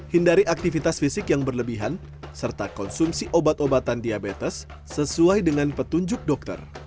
hindari aktivitas fisik yang berlebihan serta konsumsi obat obatan diabetes sesuai dengan petunjuk dokter